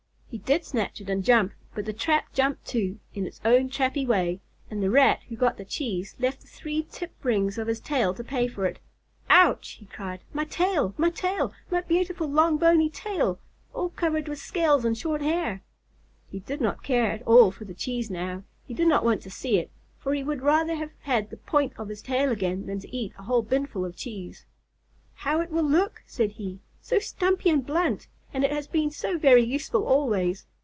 He did snatch it and jump, but the trap jumped, too, in its own trappy way, and the Rat who got the cheese left the three tip rings of his tail to pay for it. "Ouch!" he cried. "My tail! My tail! My beautiful, long, bony tail, all covered with scales and short hair!" He did not care at all for the cheese now. He did not want to see it, for he would rather have had the point on his tail again than to eat a whole binful of cheese. "How it will look!" said he. "So stumpy and blunt. And it has been so very useful always.